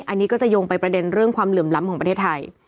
อันนี้ก็จะโยงไปประเด็นเรื่องความเหลื่อมล้ำของประเทศไทย